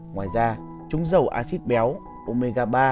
ngoài ra chúng giàu acid béo omega ba